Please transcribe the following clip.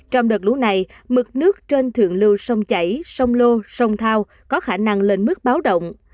trong đợt lũ này mực nước trên thượng lưu sông chảy sông lô sông thao có khả năng lên mức báo động